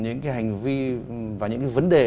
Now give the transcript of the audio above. những cái hành vi và những cái vấn đề